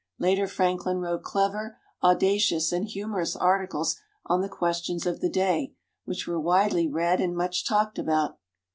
Later Franklin wrote clever, audacious, and humorous articles on the questions of the day, which were widely read and much talked about.